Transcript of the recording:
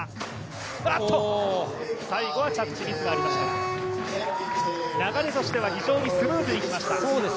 最後は着地ミスがありましたが流れとしては非常にスムーズにいきました。